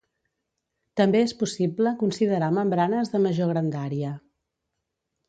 També és possible considerar membranes de major grandària.